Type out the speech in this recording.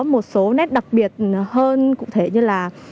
một số nét đặc biệt hơn cụ thể như là